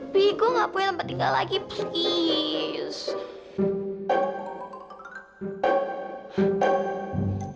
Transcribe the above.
bi gue gak punya tempat tinggal lagi please